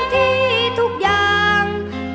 ทุกคน